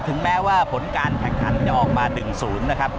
ถึงแม้ว่าผลการแข่งขันจะออกมา๑๐นะครับ